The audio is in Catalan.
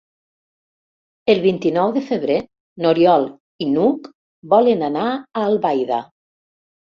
El vint-i-nou de febrer n'Oriol i n'Hug volen anar a Albaida.